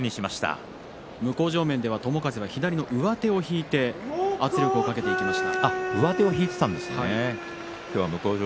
向正面から見ると上手を引いて圧力をかけていきました。